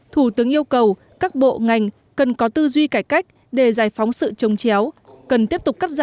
thủ tướng yêu cầu các bộ ngành cần có tư duy cải cách để giải phóng sự chống dịch